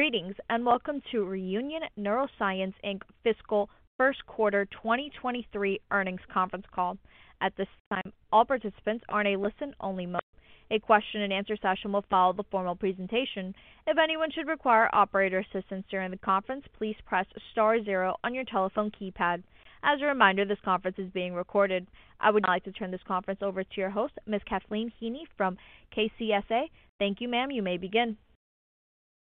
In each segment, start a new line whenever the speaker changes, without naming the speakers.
Greetings, and welcome to Reunion Neuroscience Inc. fiscal Q1 2023 earnings conference call. At this time, all participants are in a listen only mode. A question and answer session will follow the formal presentation. If anyone should require operator assistance during the conference, please press star zero on your telephone keypad. As a reminder, this conference is being recorded. I would now like to turn this conference over to your host, Ms. Kathleen Heaney from KCSA. Thank you, ma'am. You may begin.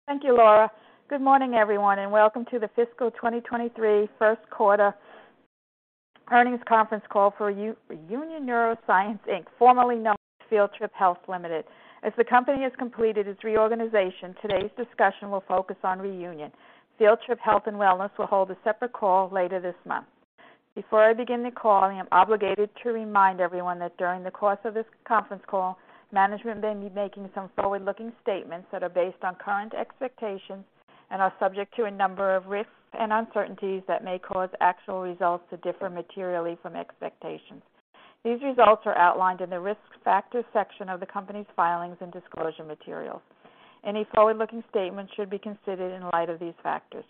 Thank you, Laura. Good morning, everyone, and welcome to the fiscal 2023 Q1 earnings conference call for Reunion Neuroscience Inc., formerly known as Field Trip Health Limited. As the company has completed its reorganization, today's discussion will focus on Reunion. Field Trip Health & Wellness will hold a separate call later this month. Before I begin the call, I am obligated to remind everyone that during the course of this conference call, management may be making some forward-looking statements that are based on current expectations and are subject to a number of risks and uncertainties that may cause actual results to differ materially from expectations. These results are outlined in the Risk Factors section of the company's filings and disclosure materials. Any forward-looking statements should be considered in light of these factors.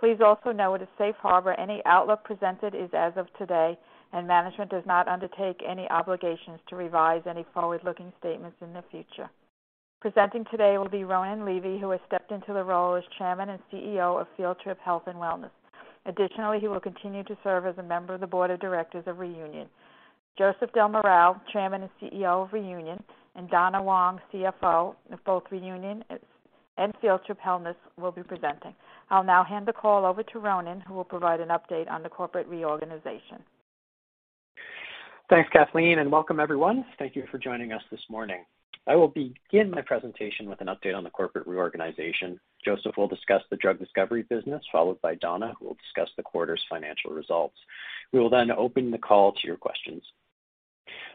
Please also note that the safe harbor for any outlook presented is as of today, and management does not undertake any obligations to revise any forward-looking statements in the future. Presenting today will be Ronan Levy, who has stepped into the role as Chairman and CEO of Field Trip Health & Wellness. Additionally, he will continue to serve as a member of the Board of Directors of Reunion. Joseph del Moral, Chairman and CEO of Reunion, and Donna Wong, CFO of both Reunion and Field Trip Health & Wellness will be presenting. I'll now hand the call over to Ronan, who will provide an update on the corporate reorganization.
Thanks, Kathleen, and welcome everyone. Thank you for joining us this morning. I will begin my presentation with an update on the corporate reorganization. Joseph will discuss the drug discovery business, followed by Donna, who will discuss the quarter's financial results. We will then open the call to your questions.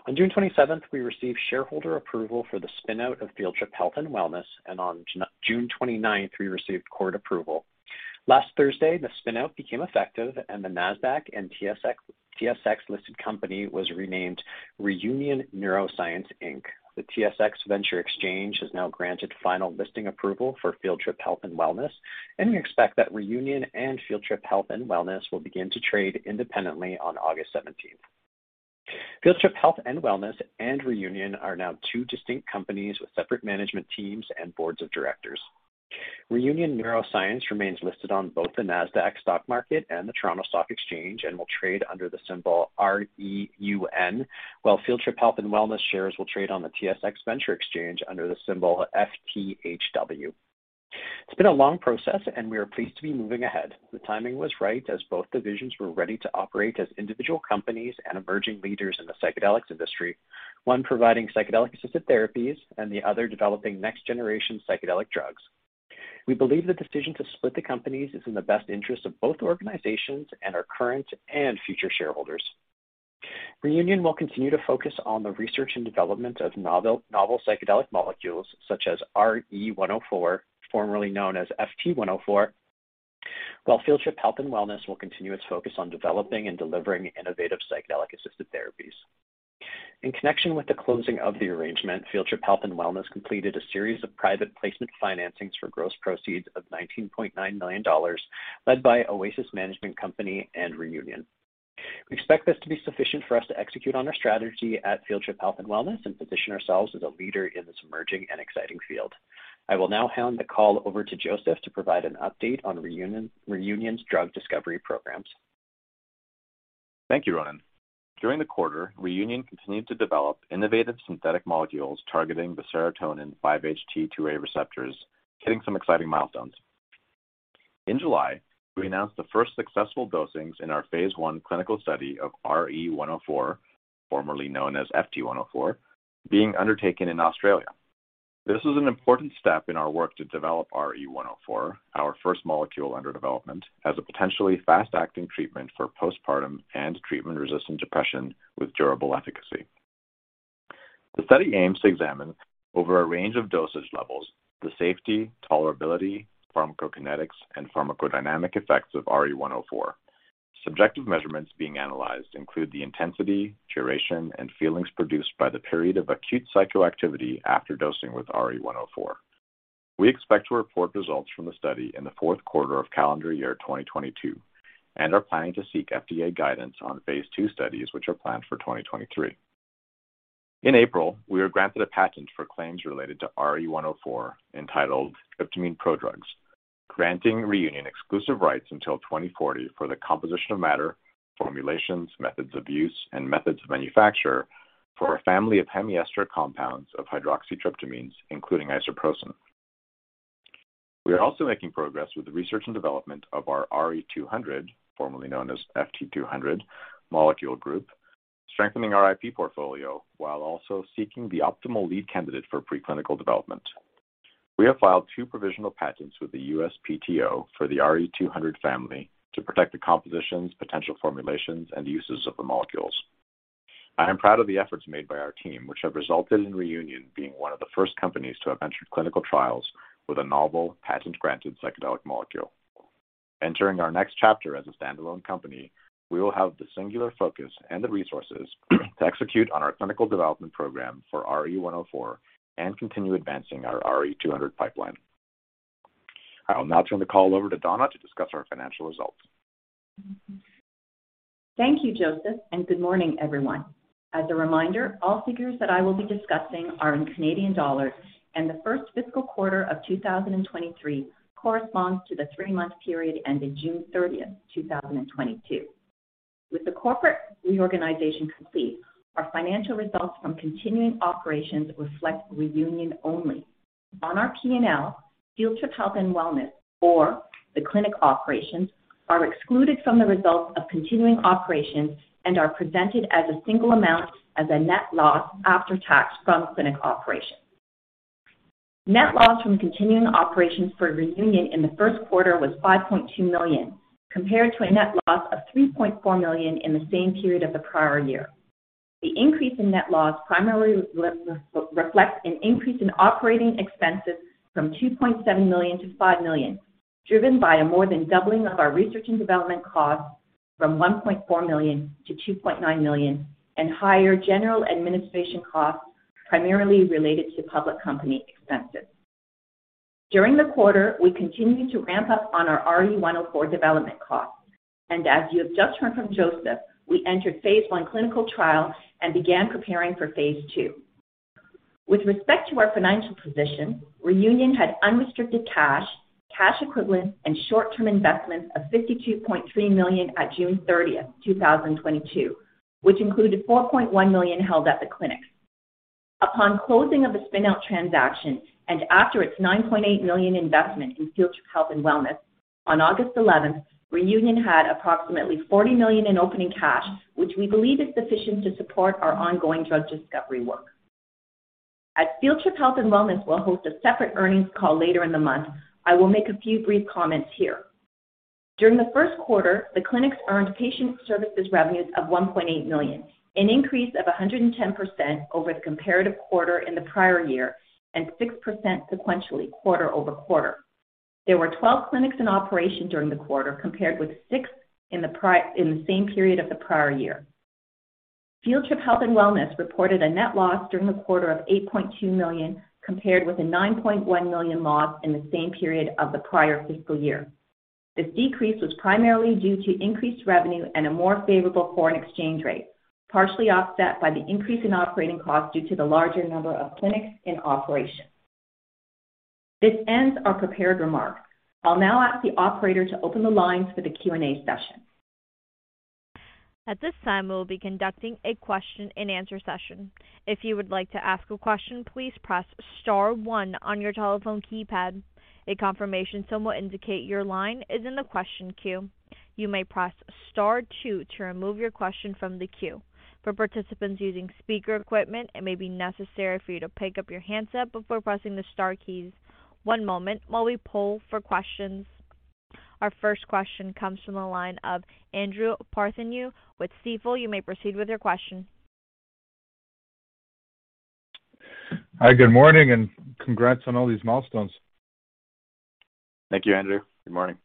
On June 27, we received shareholder approval for the spin-out of Field Trip Health & Wellness, and on June 29, we received court approval. Last Thursday, the spin-out became effective and the Nasdaq- and TSX-listed company was renamed Reunion Neuroscience Inc. The TSX Venture Exchange has now granted final listing approval for Field Trip Health & Wellness, and we expect that Reunion and Field Trip Health & Wellness will begin to trade independently on August 17. Field Trip Health & Wellness and Reunion are now two distinct companies with separate management teams and boards of directors. Reunion Neuroscience remains listed on both the Nasdaq Stock Market and the Toronto Stock Exchange and will trade under the symbol REUN, while Field Trip Health & Wellness shares will trade on the TSX Venture Exchange under the symbol FTHW. It's been a long process, and we are pleased to be moving ahead. The timing was right as both divisions were ready to operate as individual companies and emerging leaders in the psychedelics industry, one providing psychedelic-assisted therapies and the other developing next-generation psychedelic drugs. We believe the decision to split the companies is in the best interest of both organizations and our current and future shareholders. Reunion will continue to focus on the research and development of novel psychedelic molecules such as RE-104, formerly known as FT-104, while Field Trip Health & Wellness will continue its focus on developing and delivering innovative psychedelic-assisted therapies. In connection with the closing of the arrangement, Field Trip Health & Wellness completed a series of private placement financings for gross proceeds of $19.9 million, led by Oasis Management Company and Reunion. We expect this to be sufficient for us to execute on our strategy at Field Trip Health & Wellness and position ourselves as a leader in this emerging and exciting field. I will now hand the call over to Joseph to provide an update on Reunion's drug discovery programs.
Thank you, Ronan. During the quarter, Reunion continued to develop innovative synthetic molecules targeting the serotonin 5-HT2A receptors, hitting some exciting milestones. In July, we announced the first successful dosings in our phase 1 clinical study of RE-104, formerly known as FT-104, being undertaken in Australia. This is an important step in our work to develop RE-104, our first molecule under development, as a potentially fast-acting treatment for postpartum and treatment-resistant depression with durable efficacy. The study aims to examine over a range of dosage levels the safety, tolerability, pharmacokinetics, and pharmacodynamic effects of RE-104. Subjective measurements being analyzed include the intensity, duration, and feelings produced by the period of acute psychoactivity after dosing with RE-104. We expect to report results from the study in the Q4 of calendar year 2022 and are planning to seek FDA guidance on phase 2 studies, which are planned for 2023. In April, we were granted a patent for claims related to RE-104 entitled Tryptamine Prodrugs, granting Reunion exclusive rights until 2040 for the composition of matter, formulations, methods of use, and methods of manufacture for a family of hemiester compounds of hydroxytryptamines, including isoproterenol. We are also making progress with the research and development of our RE-200, formerly known as FT-200 molecule group, strengthening our IP portfolio while also seeking the optimal lead candidate for preclinical development. We have filed two provisional patents with the USPTO for the RE-200 family to protect the compositions, potential formulations, and uses of the molecules. I am proud of the efforts made by our team, which have resulted in Reunion being one of the first companies to have entered clinical trials with a novel, patent-granted psychedelic molecule. Entering our next chapter as a standalone company, we will have the singular focus and the resources to execute on our clinical development program for RE-one zero four and continue advancing our RE-two hundred pipeline. I will now turn the call over to Donna to discuss our financial results.
Thank you, Joseph, and good morning, everyone. As a reminder, all figures that I will be discussing are in Canadian dollars, and the first fiscal quarter of 2023 corresponds to the three-month period ending June thirtieth, 2022. With the corporate reorganization complete, our financial results from continuing operations reflect Reunion only. On our P&L, Field Trip Health and Wellness, or the clinic operations, are excluded from the results of continuing operations and are presented as a single amount as a net loss after tax from clinic operations. Net loss from continuing operations for Reunion in the Q1 was 5.2 million, compared to a net loss of 3.4 million in the same period of the prior year. The increase in net loss primarily reflects an increase in operating expenses from 2.7 million to 5 million, driven by a more than doubling of our research and development costs from 1.4 million to 2.9 million and higher general administration costs primarily related to public company expenses. During the quarter, we continued to ramp up on our RE-104 development costs. As you have just heard from Joseph, we entered phase 1 clinical trial and began preparing for phase 2. With respect to our financial position, Reunion had unrestricted cash equivalents, and short-term investments of CAD 52.3 million at June 30, 2022, which included CAD 4.1 million held at the clinics. Upon closing of the spin-out transaction and after its CAD 9.8 million investment in Field Trip Health & Wellness on August 11, Reunion had approximately CAD 40 million in opening cash, which we believe is sufficient to support our ongoing drug discovery work. As Field Trip Health & Wellness will host a separate earnings call later in the month, I will make a few brief comments here. During the Q1, the clinics earned patient services revenues of 1.8 million, an increase of 110% over the comparative quarter in the prior year and 6% sequentially quarter-over-quarter. There were 12 clinics in operation during the quarter, compared with 6 in the same period of the prior year. Field Trip Health & Wellness reported a net loss during the quarter of 8.2 million, compared with a 9.1 million loss in the same period of the prior fiscal year. This decrease was primarily due to increased revenue and a more favorable foreign exchange rate, partially offset by the increase in operating costs due to the larger number of clinics in operation. This ends our prepared remarks. I'll now ask the operator to open the lines for the Q&A session.
At this time, we will be conducting a question and answer session. If you would like to ask a question, please press star one on your telephone keypad. A confirmation tone will indicate your line is in the question queue. You may press star two to remove your question from the queue. For participants using speaker equipment, it may be necessary for you to pick up your handset before pressing the star keys. One moment while we poll for questions. Our first question comes from the line of Andrew Partheniou with Stifel. You may proceed with your question.
Hi, good morning, and congrats on all these milestones.
Thank you, Andrew. Good morning.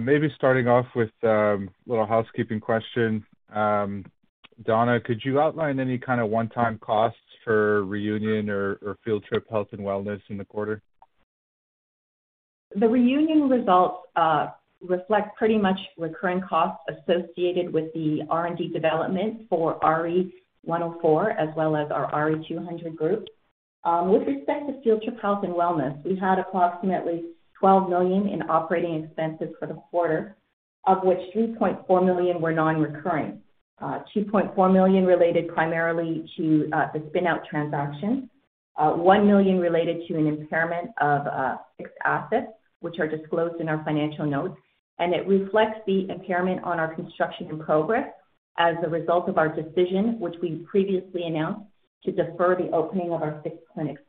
Maybe starting off with a little housekeeping question. Donna, could you outline any kind of one-time costs for Reunion or Field Trip Health and Wellness in the quarter?
The Reunion results reflect pretty much recurring costs associated with the R&D development for RE-104 as well as our RE-200 group. With respect to Field Trip Health & Wellness, we had approximately 12 million in operating expenses for the quarter, of which 3.4 million were non-recurring. 2.4 million related primarily to the spin-out transaction. 1 million related to an impairment of fixed assets, which are disclosed in our financial notes. It reflects the impairment on our construction in progress as a result of our decision, which we previously announced, to defer the opening of our 6 clinics.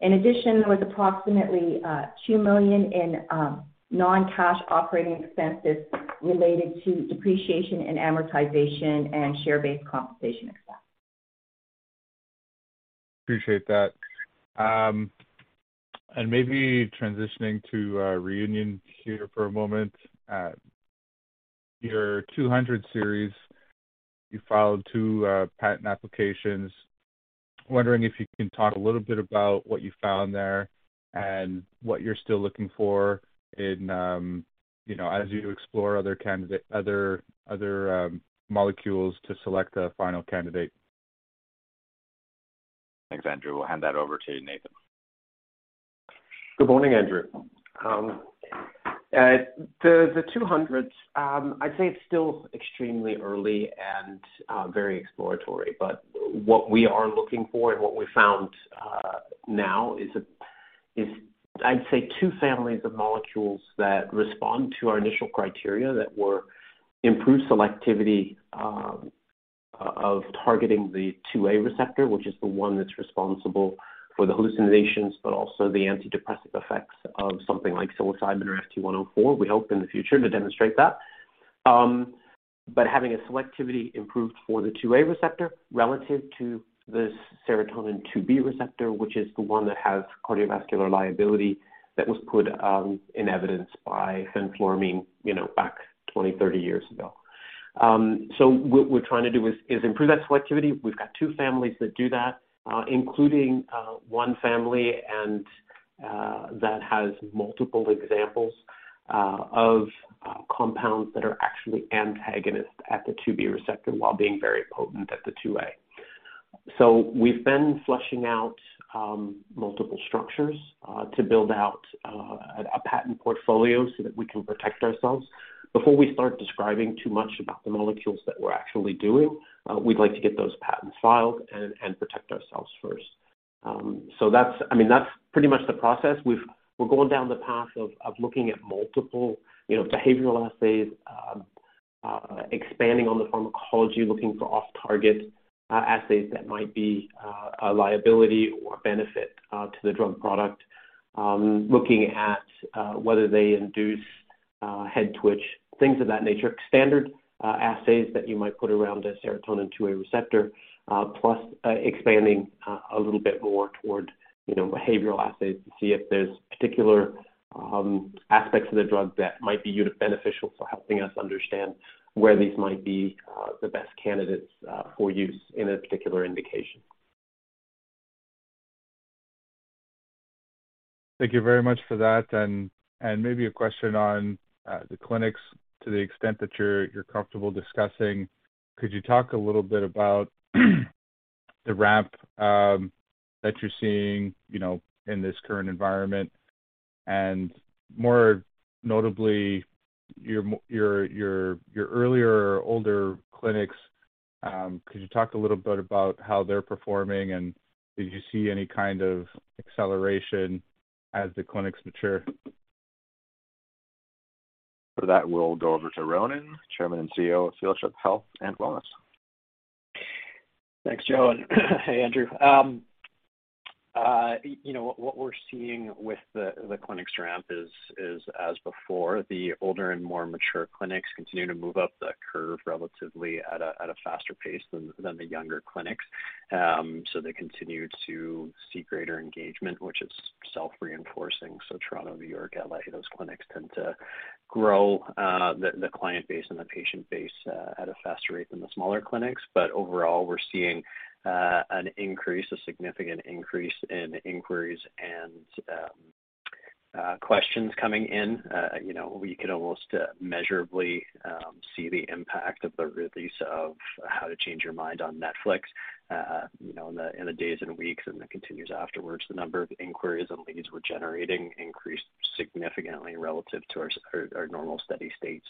In addition, there was approximately 2 million in non-cash operating expenses related to depreciation and amortization and share-based compensation expense.
Appreciate that. Maybe transitioning to Reunion here for a moment. Your 200 series, you filed 2 patent applications. Wondering if you can talk a little bit about what you found there and what you're still looking for in, you know, as you explore other molecules to select a final candidate.
Thanks, Andrew. We'll hand that over to Nathan.
Good morning, Andrew. The 200s, I'd say it's still extremely early and very exploratory, but what we are looking for and what we have found now is, I'd say, two families of molecules that respond to our initial criteria that were improved selectivity of targeting the 2A receptor, which is the one that's responsible for the hallucinations, but also the antidepressive effects of something like psilocybin or FT-104. We hope in the future to demonstrate that. Having a selectivity improved for the 2A receptor relative to the serotonin 2B receptor, which is the one that has cardiovascular liability that was put in evidence by fenfluramine, you know, back 20, 30 years ago. What we're trying to do is improve that selectivity. We have got two families that do that, including one family that has multiple examples of compounds that are actually antagonists at the 2B receptor while being very potent at the 2A. So we've been fleshing out multiple structures to build out a patent portfolio so that we can protect ourselves. Before we start describing too much about the molecules that we are actually doing, we'd like to get those patents filed and protect ourselves first. I mean, that's pretty much the process. We are going down the path of looking at multiple, you know, behavioral assays, expanding on the pharmacology, looking for off-target assays that might be a liability or benefit to the drug product. Looking at whether they induce head twitch, things of that nature. Standard assays that you might put around a serotonin 5-HT2A receptor, plus expanding a little bit more toward, you know, behavioral assays to see if there is particular aspects of the drug that might be uniquely beneficial for helping us understand where these might be the best candidates for use in a particular indication.
Thank you very much for that. Maybe a question on the clinics to the extent that you're comfortable discussing. Could you talk a little bit about the ramp that you are seeing, you know, in this current environment, and more notably your earlier or older clinics, could you talk a little bit about how they are performing, and did you see any kind of acceleration as the clinics mature?
For that, we'll go over to Ronan Levy, Chairman and CEO of Field Trip Health and Wellness.
Thanks, Joe. Hey, Andrew. You know, what we are seeing with the clinics ramp is as before. The older and more mature clinics continue to move up the curve relatively at a faster pace than the younger clinics. They continue to seek greater engagement, which is self-reinforcing. Toronto, New York, L.A., those clinics tend to grow the client base and the patient base at a faster rate than the smaller clinics. Overall, we are seeing an increase, a significant increase in inquiries and questions coming in. You know, we could almost measurably see the impact of the release of How to Change Your Mind on Netflix in the days and weeks, and it continues afterwards. The number of inquiries and leads we're generating increased significantly relative to our normal steady state.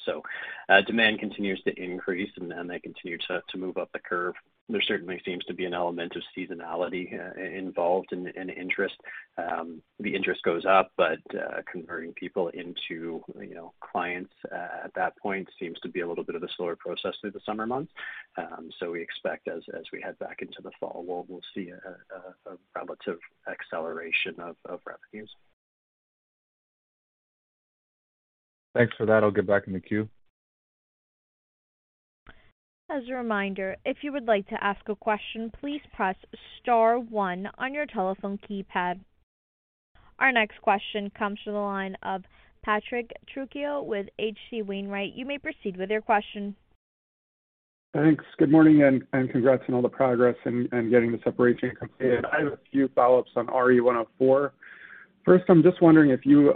Demand continues to increase, and then they continue to move up the curve. There certainly seems to be an element of seasonality involved in interest. The interest goes up, but converting people into, you know, clients at that point seems to be a little bit of a slower process through the summer months. We expect as we head back into the fall, we will see a relative acceleration of revenues.
Thanks for that. I'll get back in the queue.
As a reminder, if you would like to ask a question, please press star one on your telephone keypad. Our next question comes from the line of Patrick Trucchio with H.C. Wainwright & Co. You may proceed with your question.
Thanks. Good morning, and congrats on all the progress and getting the separation completed. I have a few follow-ups on RE-104. First, I'm just wondering if you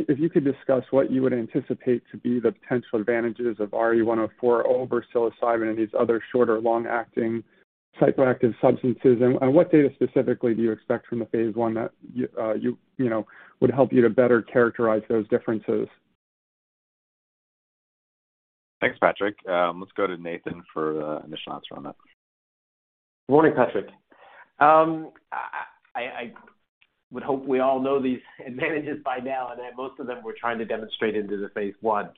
could discuss what you would anticipate to be the potential advantages of RE-104 over psilocybin and these other short or long-acting psychoactive substances, and what data specifically do you expect from the phase one that you know would help you to better characterize those differences?
Thanks, Patrick. Let's go to Nathan for the initial answer on that.
Good morning, Patrick. I would hope we all know these advantages by now, and most of them we're trying to demonstrate in the phase one.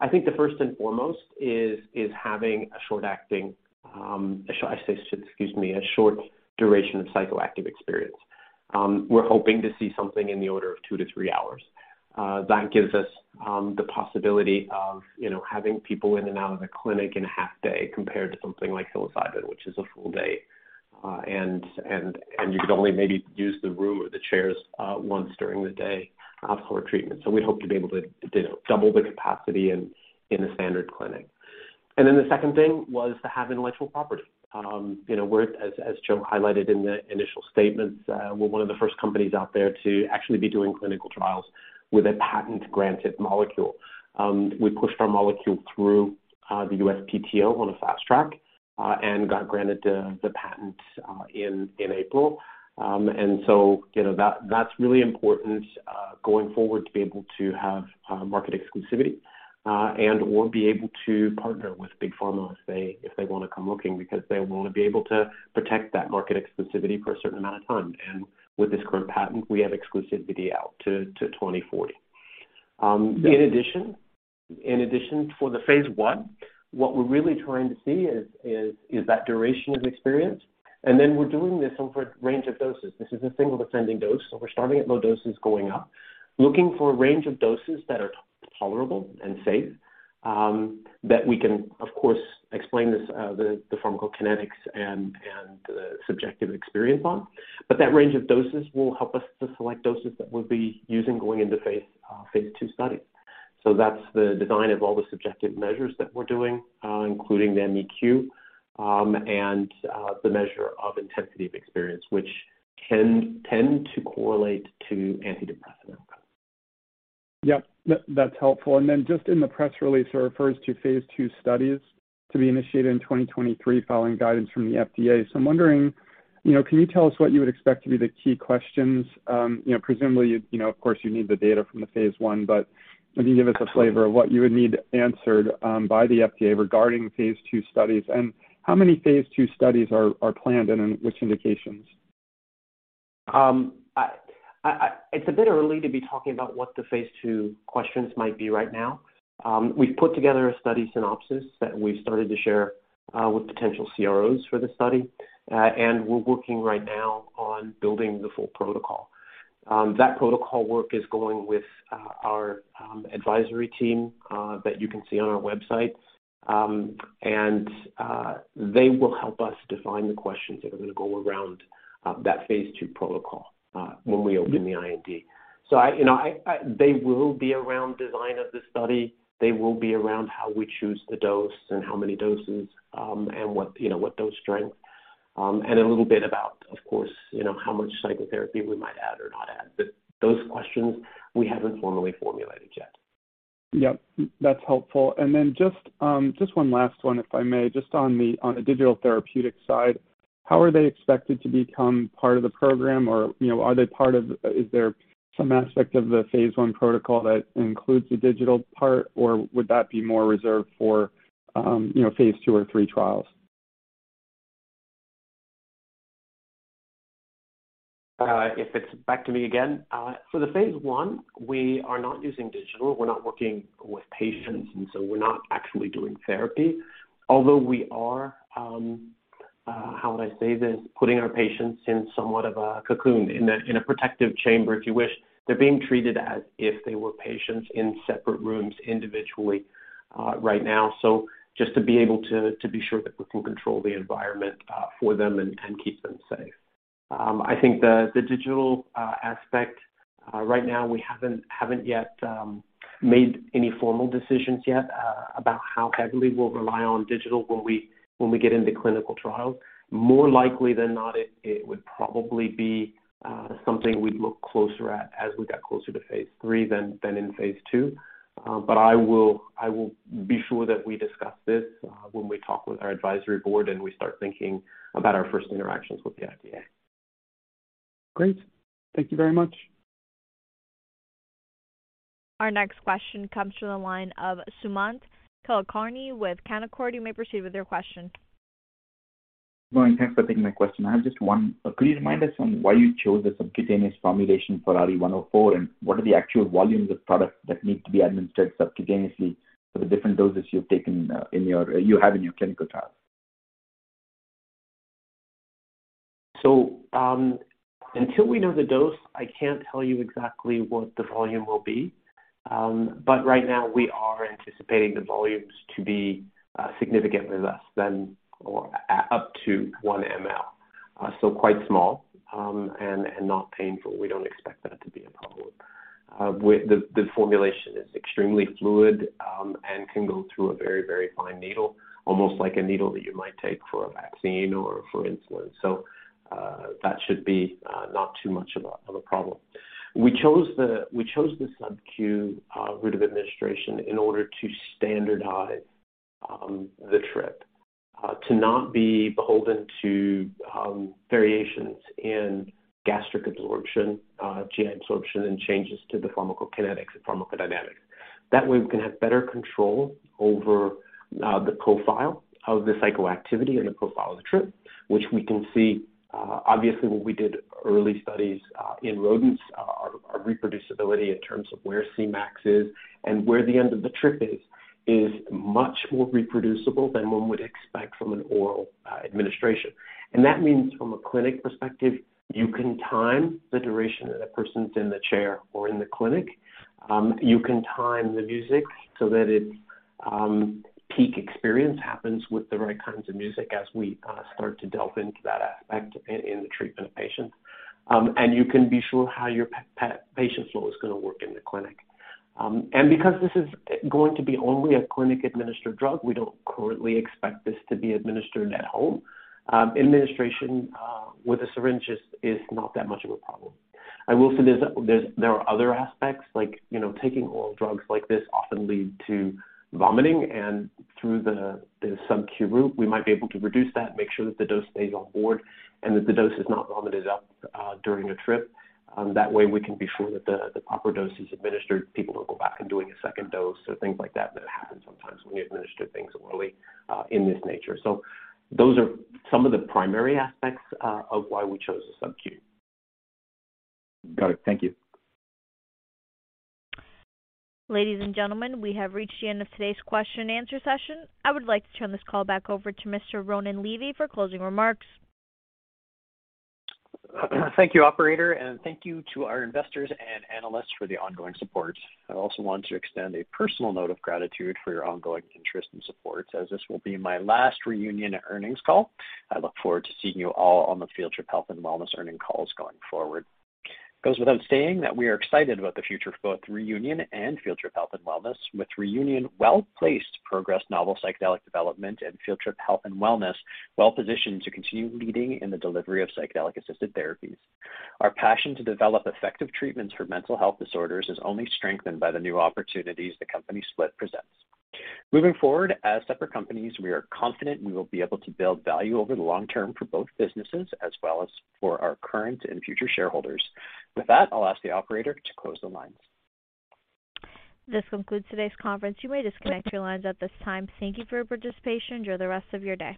I think the first and foremost is having a short-acting, a short duration of psychoactive experience. We are hoping to see something in the order of 2-3 hours. That gives us the possibility of, you know, having people in and out of the clinic in a half day compared to something like psilocybin, which is a full day. And you could only maybe use the room or the chairs once during the day for treatment. We hope to be able to, you know, double the capacity in a standard clinic. The second thing was to have intellectual property. You know, we are, as Joe highlighted in the initial statements, we're one of the first companies out there to actually be doing clinical trials with a patent granted molecule. We pushed our molecule through the USPTO on a fast track and got granted the patent in April. You know, that's really important going forward to be able to have market exclusivity and/or be able to partner with big pharma if they wanna come looking because they wanna be able to protect that market exclusivity for a certain amount of time. With this current patent, we have exclusivity out to 2040. In addition, for the phase 1, what we're really trying to see is that duration of experience, and then we're doing this over a range of doses. This is a single ascending dose. We're starting at low doses going up, looking for a range of doses that are tolerable and safe, that we can, of course, explain this, the pharmacokinetics and subjective experience on. But that range of doses will help us to select doses that we'll be using going into phase 2 studies. That's the design of all the subjective measures that we're doing, including the MEQ, and the measure of intensity of experience, which can tend to correlate to antidepressant outcomes.
Yep. That's helpful. Just in the press release, it refers to phase 2 studies to be initiated in 2023 following guidance from the FDA. I'm wondering, you know, can you tell us what you would expect to be the key questions? You know, presumably, you know, of course, you need the data from the phase 1, but can you give us a flavor of what you would need answered, by the FDA regarding phase 2 studies, and how many phase 2 studies are planned and in which indications?
It's a bit early to be talking about what the phase 2 questions might be right now. We have put together a study synopsis that we started to share with potential CROs for the study. We're working right now on building the full protocol. That protocol work is going with our advisory team that you can see on our website. They will help us define the questions that are gonna go around that phase 2 protocol when we open the IND. You know, they will be around design of the study. They will be around how we choose the dose and how many doses, and what, you know, what dose strength, and a little bit about, of course, you know, how much psychotherapy we might add or not add. Those questions we haven't formally formulated yet.
Yep. That's helpful. Then just one last one, if I may. Just on the digital therapeutic side, how are they expected to become part of the program? Or, you know, are they part of? Is there some aspect of the phase one protocol that includes the digital part, or would that be more reserved for, you know, phase two or three trials?
If it's back to me again. For the phase 1, we are not using digital. We're not working with patients, and so we're not actually doing therapy. Although we are, how would I say this? Putting our patients in somewhat of a cocoon, in a protective chamber, if you wish. They're being treated as if they were patients in separate rooms individually, right now. Just to be able to be sure that we can control the environment for them and keep them safe. I think the digital aspect, right now, we haven't yet made any formal decisions yet about how heavily we'll rely on digital when we get into clinical trials. More likely than not, it would probably be something we'd look closer at as we got closer to phase three than in phase two. I will be sure that we discuss this when we talk with our advisory board and we start thinking about our first interactions with the FDA.
Great. Thank you very much.
Our next question comes from the line of Sumant Kulkarni with Canaccord. You may proceed with your question.
Good morning. Thanks for taking my question. I have just one. Could you remind us on why you chose the subcutaneous formulation for RE-104, and what are the actual volumes of product that need to be administered subcutaneously for the different doses you've taken in your clinical trials?
Until we know the dose, I can't tell you exactly what the volume will be. Right now, we are anticipating the volumes to be significantly less than or up to 1 ml. Quite small, and not painful. We don't expect that to be a problem. The formulation is extremely fluid, and can go through a very fine needle, almost like a needle that you might take for a vaccine or for insulin. That should be not too much of a problem. We chose the subQ route of administration in order to standardize the trip. To not be beholden to variations in gastric absorption, gastrointestinal absorption, and changes to the pharmacokinetics and pharmacodynamics. That way, we can have better control over the profile of the psychoactivity and the profile of the trip, which we can see. Obviously, when we did early studies in rodents, our reproducibility in terms of where Cmax is and where the end of the trip is much more reproducible than one would expect from an oral administration. That means from a clinic perspective, you can time the duration that a person's in the chair or in the clinic. You can time the music so that its peak experience happens with the right kinds of music as we start to delve into that aspect in the treatment of patients. You can be sure how your patient flow is gonna work in the clinic. Because this is going to be only a clinic-administered drug, we don't currently expect this to be administered at home. Administration with a syringe is not that much of a problem. I will say there are other aspects like, you know, taking oral drugs like this often lead to vomiting. Through the subQ route, we might be able to reduce that, make sure that the dose stays on board and that the dose is not vomited up during a trip. That way, we can be sure that the proper dose is administered. People don't go back and doing a second dose or things like that that happen sometimes when we administer things orally in this nature. Those are some of the primary aspects of why we chose the subQ.
Got it. Thank you.
Ladies and gentlemen, we have reached the end of today's question and answer session. I would like to turn this call back over to Mr. Ronan Levy for closing remarks.
Thank you, operator, and thank you to our investors and analysts for the ongoing support. I also want to extend a personal note of gratitude for your ongoing interest and support, as this will be my last Reunion earnings call. I look forward to seeing you all on the Field Trip Health & Wellness earnings calls going forward. It goes without saying that we are excited about the future of both Reunion and Field Trip Health & Wellness, with Reunion well-placed to progress novel psychedelic development and Field Trip Health & Wellness well-positioned to continue leading in the delivery of psychedelic-assisted therapies. Our passion to develop effective treatments for mental health disorders is only strengthened by the new opportunities the company split presents. Moving forward as separate companies, we are confident we will be able to build value over the long term for both businesses as well as for our current and future shareholders. With that, I'll ask the operator to close the lines.
This concludes today's conference. You may disconnect your lines at this time. Thank you for your participation. Enjoy the rest of your day.